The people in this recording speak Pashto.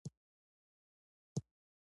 مسلمانانو ماتې وجه اضافات دي.